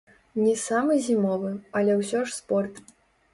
Не самы зімовы, але ўсё ж спорт.